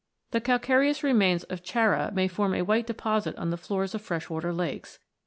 The cal careous remains of Chara may form a white deposit on the floors of freshwater lakes.